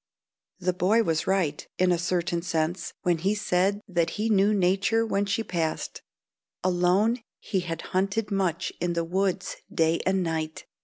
_ The boy was right, in a certain sense, when he said that he knew nature when she passed. Alone, he had hunted much in the woods day and night.